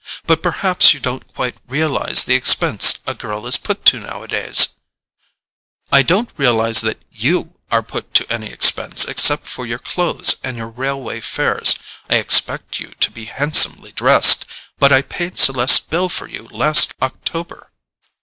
But perhaps you don't quite realize the expense a girl is put to nowadays——" "I don't realize that YOU are put to any expense except for your clothes and your railway fares. I expect you to be handsomely dressed; but I paid Celeste's bill for you last October."